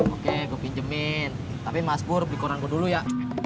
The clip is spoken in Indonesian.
oke gue pinjemin tapi mas bur di koran gue dulu ya